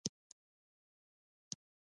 آزاد تجارت مهم دی ځکه چې نړۍ سره نږدې کوي.